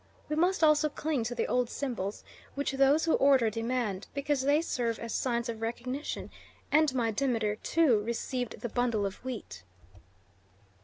We must also cling to the old symbols which those who order demand, because they serve as signs of recognition, and my Demeter, too, received the bundle of wheat."